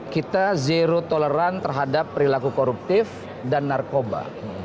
kita zero toleran terhadap perilaku koruptif dan narkoba